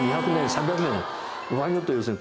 ３００年場合によってはですね